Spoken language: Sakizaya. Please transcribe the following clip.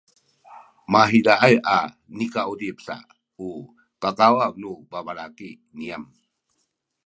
mahizaay a nikauzip sa u kakawaw nu babalaki niyam